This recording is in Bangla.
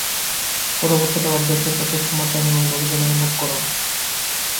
পরে অবশ্য তাঁরা অধ্যক্ষের কাছে ক্ষমা চান এবং দরজা মেরামত করান।